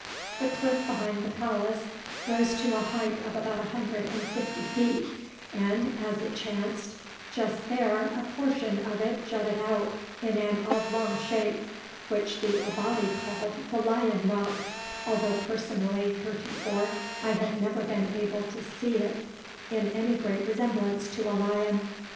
The cliff behind the palace rose to a height of about a hundred and fifty feet, and, as it chanced, just there a portion of it jutted out in an oblong shape, which the Abati called the Lion Rock, although personally, heretofore, I had never been able to see in it any great resemblance to a lion.